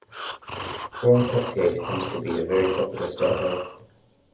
Prawn cocktail used to be a very popular starter